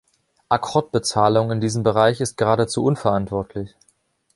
Akkordbezahlung in diesem Bereich ist geradezu unverantwortlich.